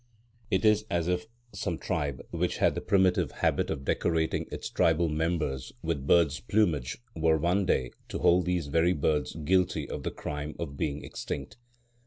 It is as if some tribe which had the primitive habit of decorating its tribal members with birds' plumage were some day to hold these very birds guilty of the crime of being extinct.